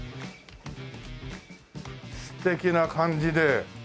素敵な感じで。